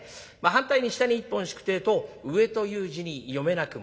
反対に下に１本引くってえと上という字に読めなくもない。